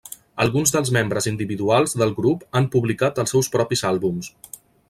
Alguns dels membres individuals del grup han publicat els seus propis àlbums.